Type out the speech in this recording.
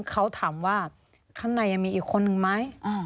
เขาถามว่าข้างในยังมีอีกคนนึงไหม